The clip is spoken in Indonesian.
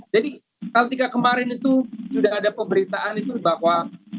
jadi ketika kemarin itu sudah ada pemberitaan itu bahwa